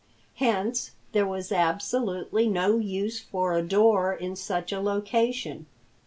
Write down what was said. Hence there was absolutely no use for a door in such a location.